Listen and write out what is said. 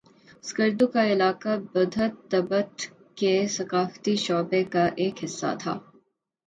اسکردو کا علاقہ بدھت تبت کے ثقافتی شعبے کا ایک حصہ تھا